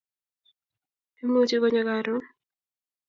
imuchi konyo karon